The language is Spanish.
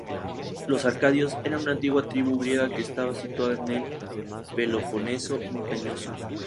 Los arcadios eran una antigua tribu griega que estaba situada en el Peloponeso montañoso.